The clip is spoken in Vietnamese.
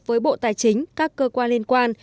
với bộ tài chính các cơ quan liên quan